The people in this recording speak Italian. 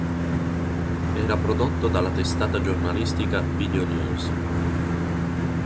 Era prodotto dalla testata giornalistica Videonews.